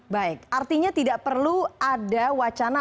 baik artinya tidak perlu ada wacana